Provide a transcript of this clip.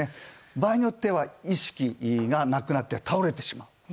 場合によっては意識がなくなって倒れてしまう。